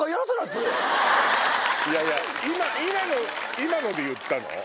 今ので言ったの？